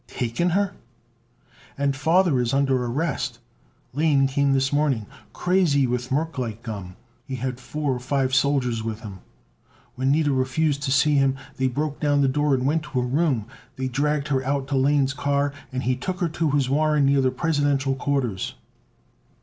"Taken her!" "And Father is under arrest. Lane came this morning, crazy with merclite gum. He had four or five soldiers with him. When Nida refused to see him they broke down the door and went to her room. They dragged her out to Lane's car, and he took her to his warren near the Presidential quarters."